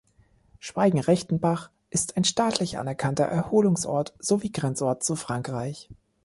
Schweigen-Rechtenbach ist ein staatlich anerkannter Erholungsort sowie Grenzort zu Frankreich.